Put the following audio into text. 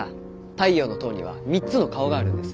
「太陽の塔」には３つの顔があるんです。